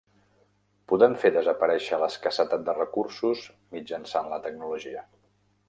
Podem fer desaparèixer l'escassetat de recursos mitjançant la tecnologia.